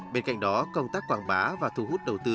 bên cạnh đó công tác quảng bá và thu hút đầu tư